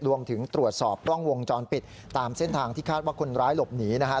รวมถึงตรวจสอบกล้องวงจรปิดตามเส้นทางที่คาดว่าคนร้ายหลบหนีนะฮะ